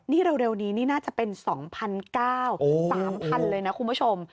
นี่เร็วนี้นี่น่าจะเป็น๒๙๐๐๓๐๐เลยนะคุณผู้ชม